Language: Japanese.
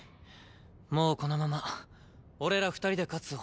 もうこのまま俺ら２人で勝つぞ。